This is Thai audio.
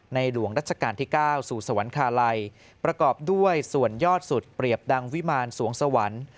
หลวงรัชกาลที่๙สู่สวรรคาลัยประกอบด้วยส่วนยอดสุดเปรียบดังวิมารสวงสวรรค์